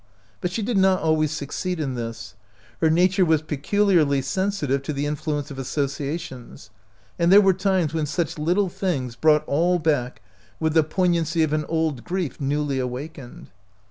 But she did not always succeed in this. Her nature was peculiarly sensitive to the influence of asso ciations, and there were times when such little things brought all back with the poig nancy of an old grief newly awakened.